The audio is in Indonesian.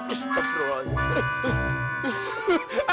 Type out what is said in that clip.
us patroh aja